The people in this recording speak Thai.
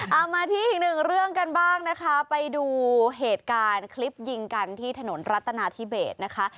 เอามาที่อีกหนึ่งเรื่องกันบ้างนะคะไปดูเหตุการณ์คลิปยิงกันที่ถนนรัตนาธิเบสนะคะ